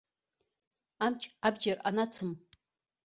Амч, абџьар анацым.